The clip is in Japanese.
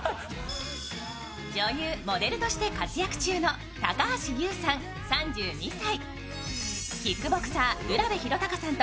女優、モデルとして活躍中の高橋ユウさん３２歳。